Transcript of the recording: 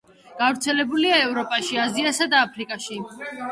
გავრცელებულია ევროპაში, აზიასა და აფრიკაში.